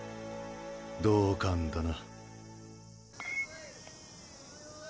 同感だな。